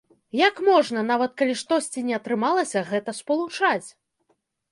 Як можна, нават калі штосьці не атрымалася, гэта спалучаць?